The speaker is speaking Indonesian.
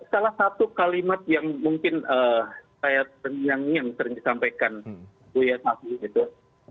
salah satu kalimat yang mungkin saya teringat teringat sering disampaikan buya syafiee itu